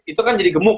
itu kan jadi gemuk